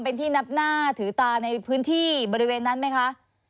เป็นที่นับหน้าถือตาในพื้นที่บริเวณนั้นไหมคะ